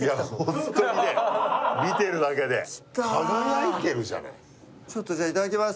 ホントにね見てるだけできた輝いてるじゃないちょっとじゃあいただきます